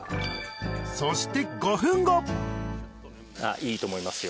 ［そして］あっいいと思いますよ。